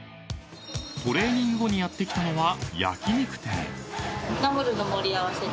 ［トレーニング後にやって来たのは焼き肉店］